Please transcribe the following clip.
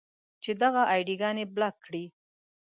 چې دغه اې ډي ګانې بلاک کړئ.